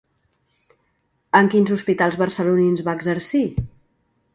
En quins hospitals barcelonins va exercir?